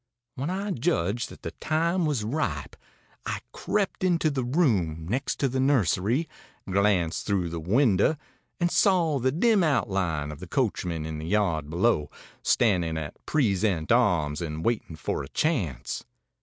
When I judged that the time was ripe, I crept to the room next the nursery, glanced through the window, and saw the dim outline of the coachman in the yard below, standing at present arms and waiting for a chance.